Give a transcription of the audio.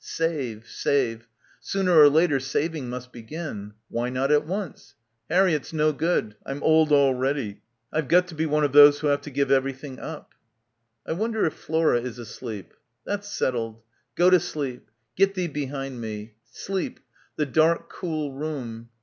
Save, save. Sooner or later saving must begin. Why not at once? Harry, it's no good. I'm old already. I've got to be one of those who have to give everything up. I wonder if Flora is asleep? That's settled. Go to sleep. Get thee behind me. Sleep ... the dark cool room.